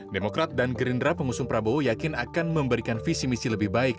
demokrat dan gerindra pengusung prabowo yakin akan memberikan visi misi lebih baik